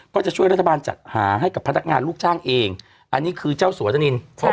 ก็จะช่วยรัฐบาลจัดหาให้กับพนักงานลูกจ้างเองอันนี้คือเจ้าสัวธนิน